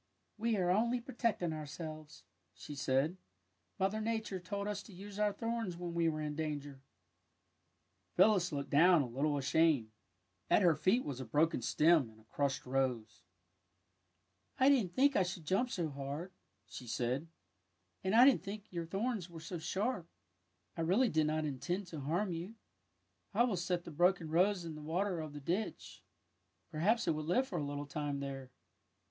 ^^ We are onl}^ protecting ourselves," she said. ^' Mother Nature told us to use our thorns when we were in danger.'' Phyllis looked down, a little ashamed. At "\Y /hen she re ^^ turned to the roses, Phyllis came more gently " BANKS OF ROSES 99 her feet was a broken stem and a cruslied rose. " I didn't think I should jvmip so hard," she said. '' And I didn't know your thorns were so sharp. I really did not intend to harm you. '' I will set the broken rose in the water of the ditch. Perhaps it will live for a little time there!